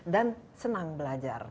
dan senang belajar